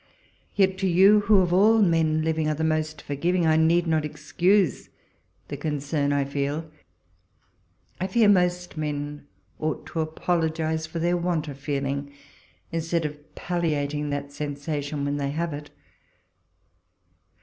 Yet to you, who of all men living are the most forgiving, I need not excuse the con, cern I feel. I fear most men ought to apologise for their want of feeling, instead of palliating tliat sensation when they have it.